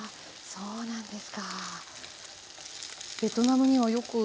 そうなんです。